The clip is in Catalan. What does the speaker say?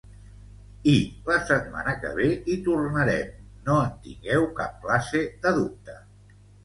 I la setmana que ve hi tornarem, no en tingueu cap classe de dubte.